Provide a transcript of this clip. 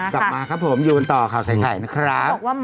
กลับมาครับผมอยู่กันต่อข่าวใส่ไข่นะครับ